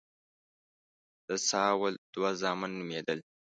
د ساول دوه زامن نومېدل.